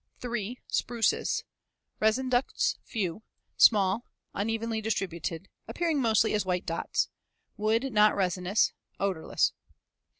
3. Spruces. Resin ducts few, small, unevenly distributed; appearing mostly as white dots. Wood not resinous; odorless.